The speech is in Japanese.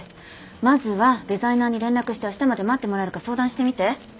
まずはデザイナーに連絡してあしたまで待ってもらえるか相談してみて。